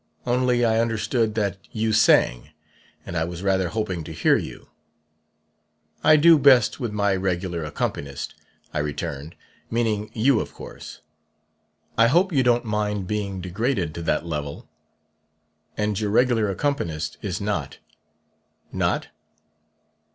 Only, I understood that you sang; and I was rather hoping to hear you.' 'I do best with my regular accompanist,' I returned meaning you, of course. I hope you don't mind being degraded to that level. 'And your regular accompanist is not not